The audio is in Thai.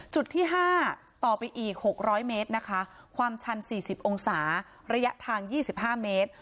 จุดที่๕ต่อไปอีก๖๐๐เมตรนะคะความชัน๔๐องศาระยะทาง๒๕เมตร